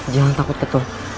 jangan takut ketul